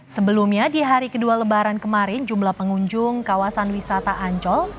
sebelumnya di hari kedua lebaran kemarin jumlah pengunjung kawasan wisata ancol